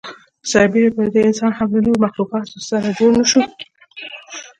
سر بېره پر دې انسان هم له نورو مخلوقاتو سره جوړ نهشو.